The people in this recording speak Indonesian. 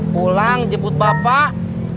pulang jebut bapak